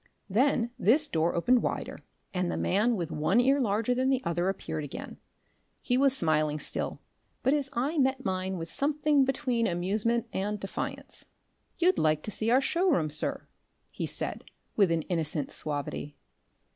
Then this door opened wider, and the man with one ear larger than the other appeared again. He was smiling still, but his eye met mine with something between amusement and defiance. "You'd like to see our show room, sir," he said, with an innocent suavity.